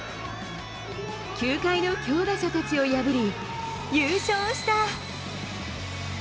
球界の強打者たちを破り、優勝した。